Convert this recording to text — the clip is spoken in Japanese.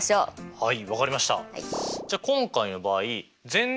はい。